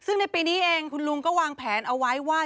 ซึ่งในปีนี้เองคุณลุงก็วางแผนเอาไว้ว่า